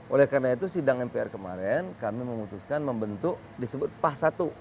oleh karena itu sidang mpr kemarin kami memutuskan membentuk disebut pah satu